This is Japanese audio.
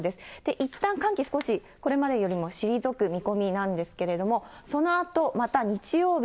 いったん寒気、少しこれまでよりも退く見込みなんですけれども、そのあと、また日曜日、